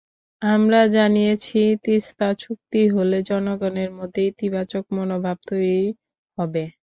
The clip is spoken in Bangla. আমরা জানিয়েছি, তিস্তা চুক্তি হলে জনগণের মধ্যে ইতিবাচক মনোভাব তৈরি হবে।